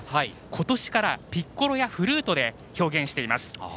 今年からピッコロやフルートで表現しています。